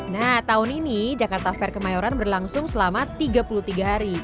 nah tahun ini jakarta fair kemayoran berlangsung selama tiga puluh tiga hari